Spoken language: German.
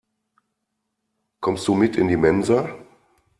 Kommst du mit in die Mensa?